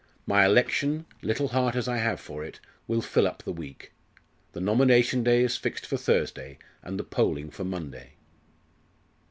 My election, little heart as I have for it, will fill up the week. The nomination day is fixed for Thursday and the polling for Monday."